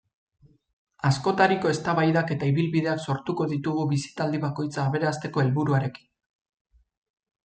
Askotariko eztabaidak eta ibilbideak sortuko ditugu bisitaldi bakoitza aberasteko helburuarekin.